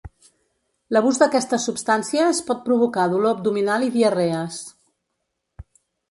L'abús d'aquestes substàncies pot provocar dolor abdominal i diarrees.